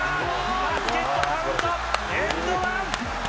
バスケットカウント、エンドワン！